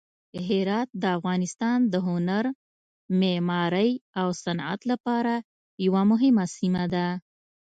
هرات د افغانستان د هنر، معمارۍ او صنعت لپاره یوه مهمه سیمه ده.